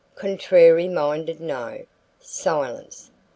"Contrary minded, no." Silence.